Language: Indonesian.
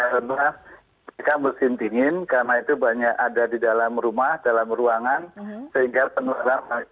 saya mungkin karena mesin dingin karena itu banyak ada di dalam rumah dalam ruangan sehingga penularan makin tinggi